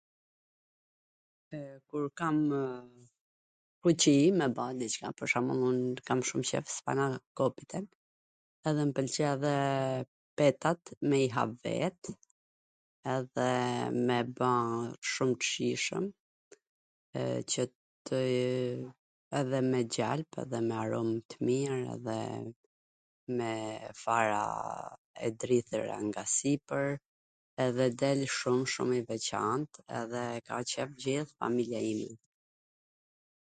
E, kurv kamw fuqi me ba diCka, pwr shembull unw kam shum qef spanakopitwn, edhe m pwlqe edhe petat me i hap vet edhe me ba shum t shijshwm qw tw... edhe me gjalp, edhe me arom t mir, edhe me fara e drithwra nga sipwr edhe del shum shum i veCant edhe e ka qef gjith familja ime,